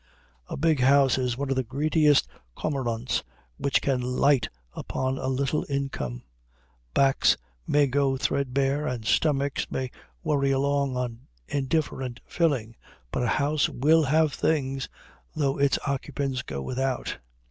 A big house is one of the greediest cormorants which can light upon a little income. Backs may go threadbare and stomachs may worry along on indifferent filling, but a house will have things, though its occupants go without.